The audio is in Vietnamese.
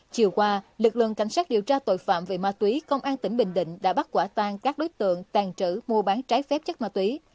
chiều qua lực lượng cảnh sát điều tra tội phạm về ma túy công an tỉnh bình định đã bắt quả tan các đối tượng tàn trữ mua bán trái phép chất ma túy